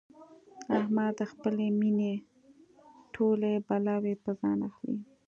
احمد د خپلې مینې ټولې بلاوې په ځان اخلي.